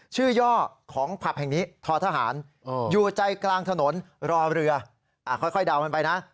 ย่อของผับแห่งนี้ทอทหารอยู่ใจกลางถนนรอเรือค่อยเดากันไปนะ